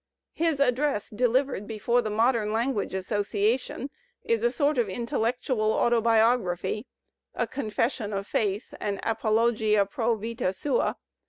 His address delivered before the Modem Language Association is a sort of intellectual auto biography, a confession of faith and apologia pro vita sua.